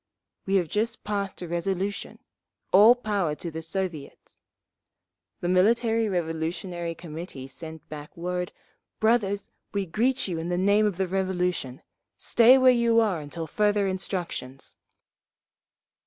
We have just passed a resolution, "All Power to the Soviets."'… The Military Revolutionary Committee sent back word, 'Brothers! We greet you in the name of the Revolution. Stay where you are until further instructions!